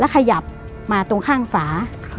แล้วขยับมาตรงข้างฝา